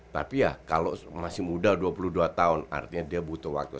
tapi ya kalau masih muda dua puluh dua tahun artinya dia butuh waktu